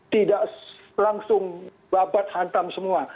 tidak langsung babat hantam semua